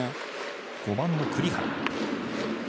５番の栗原。